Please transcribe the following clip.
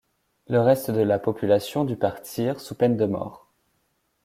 Le reste de la population dut partir, sous peine de mort.